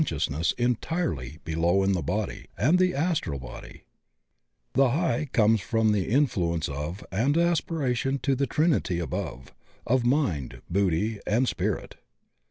WHAT THE KAMA RUPA IS 47 sciousness entirely below in the bcxiy and the astral body; the high comes from the influence of and as piration to the trinity above, of Mind, Buddhi, and Spirit.